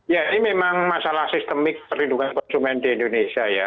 ya ini memang masalah sistemik perlindungan konsumen di indonesia ya